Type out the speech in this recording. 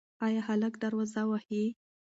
ایا هلک دروازه وهي؟